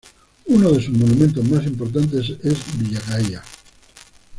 Uno de sus monumentos más importantes es Villa Gaia.